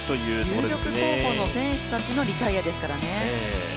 有力候補の選手たちのリタイアですからね。